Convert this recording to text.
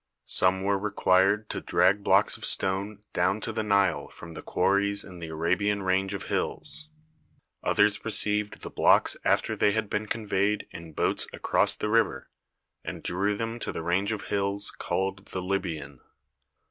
Some were required to drag blocks of stone down to the Nile from the quarries in the Arabian range of hills; others received the blocks after they had been conveyed in boats across the river, and drew them to the range of hills called the Libyan.